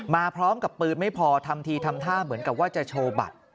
มาพร้อมกับปืนไม่พอทำทีทำท่าเหมือนกับว่าจะโชว์บัตร